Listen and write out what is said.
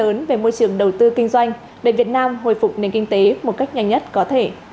đây là những thông tin lớn về môi trường đầu tư kinh doanh để việt nam hồi phục nền kinh tế một cách nhanh nhất có thể